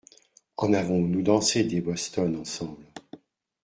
En avons-nous dansé des bostons ensemble !